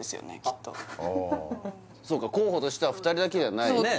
きっとああそうか候補としては２人だけじゃないよね